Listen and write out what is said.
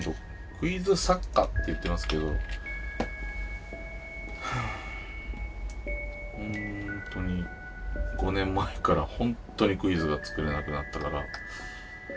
クイズ作家って言ってますけどはあほんとに５年前からほんっとにクイズが作れなくなったから。